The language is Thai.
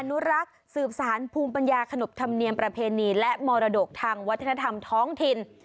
อุปัญญาขนบธรรมเนียมประเพณีและมรดกทางวัฒนธรรมท้องถิ่น